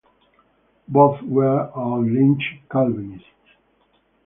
Both were Auld Licht Calvinists.